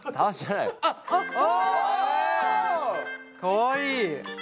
かわいい。